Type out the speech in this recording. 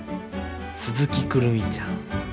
鈴木くるみちゃん。